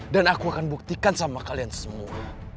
dan aku akan buktikan sama kalian semua